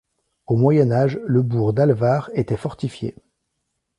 Au Moyen Âge le bourg d'Allevard était fortifié.